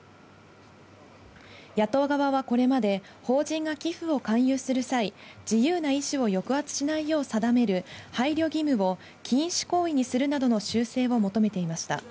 野党側はこれまで、法人が寄付を勧誘する際、自由な意思を抑圧しないよう定める配慮義務を禁止行為にするなどの修正を求めていました。